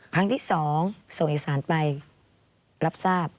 ครั้งที่๒ส่งเอกสารไปรับทราบ